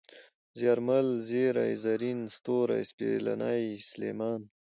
زيارمل ، زېرى ، زرين ، ستوری ، سپېلنی ، سلېمان